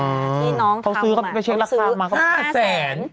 นี่น้องเขามาเขาซื้อ๕แสน